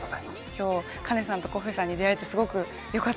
今日カネさんとコッフェさんに出会えてすごくよかったです。